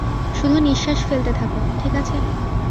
শুধু নিঃশ্বাস ফেলতে থাকো, ঠিক আছে?